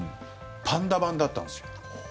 パンダ番だったんですよ。